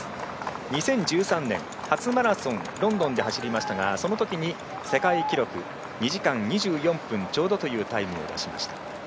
２０１３年、初マラソンをロンドンで走りましたがそのときに世界記録２時間２４分ちょうどというタイムを出しました。